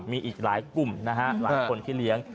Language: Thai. มีอีกหลายกลุ่มนะฮะหลายคนที่เลี้ยง